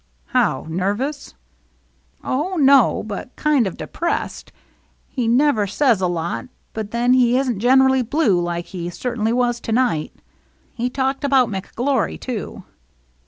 " How — nervous ?"" Oh, no, but kind of depressed. He never says a lot, but then he isn't generally blue like he certainly was to night. He talked about McGlory, too."